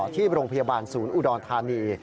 ที่โรงพยาบาลศูนย์อุดรธานี